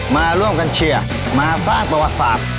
มาร่วมกันเชียร์มาสร้างประวัติศาสตร์